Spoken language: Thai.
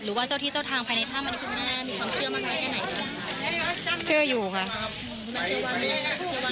หรือว่าเจ้าที่เจ้าทางภายในถ้ำอันนี้คุณแม่มีความเชื่อมากแค่ไหน